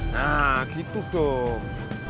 nah gitu dong